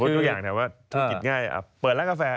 ทุกอย่างถามว่าธุรกิจง่ายเปิดร้านกาแฟ